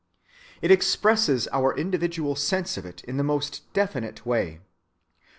It expresses our individual sense of it in the most definite way.